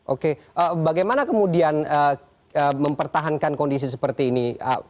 oke bagaimana kemudian mempertahankan kondisi seperti ini